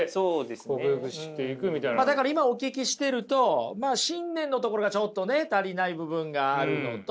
だから今お聞きしてると信念のところがちょっとね足りない部分があるのと。